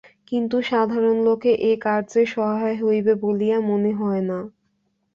কিন্তু সাধারণ লোকে এ কার্যে সহায় হইবে বলিয়া মনে হয় না।